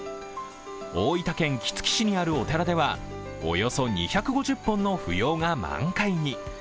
大分県杵築市にあるお寺では、およそ２５０本のフヨウが満開に。